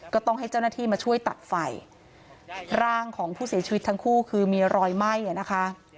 ก็ต้องให้เจ้าหน้าที่มาช่วยตัดไฟร่างของผู้เสียชีวิตทั้งคู่คือมีรอยไหม้อ่ะนะคะ